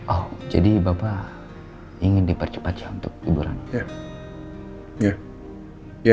oh jadi bapa ingin dipercepatkan untuk liburan ya